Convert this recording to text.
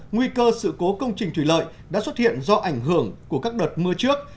nguy cơ sự cố công trình thủy lợi đã xuất hiện do ảnh hưởng của các đợt mưa trước